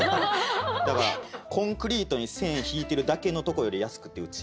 だからコンクリートに線引いてるだけのとこより安くてうち。